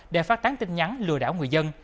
để phát tán tin nhắn lừa đảo người dân